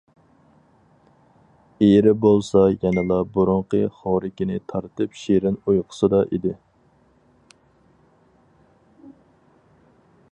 ئېرى بولسا يەنىلا بۇرۇنقى خورىكىنى تارتىپ شېرىن ئۇيقۇسىدا ئىدى.